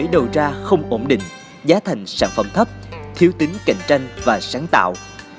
đầu ra không ổn định giá thành sản phẩm thấp thiếu tính cạnh tranh và sáng tạo